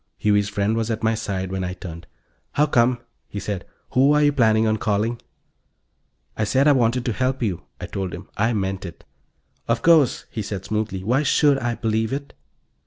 Huey's friend was at my side when I turned. "How come?" he said. "Who are you planning on calling?" "I said I wanted to help you," I told him. "I meant it." "Of course," he said smoothly. "Why should I believe it?"